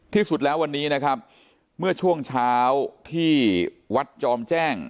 ที่สุดแล้ววันนี้นะครับเมื่อช่วงเช้าที่วัดจอมแจ้ง